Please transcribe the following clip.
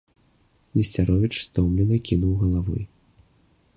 Несцяровіч стомлена кіўнуў галавой.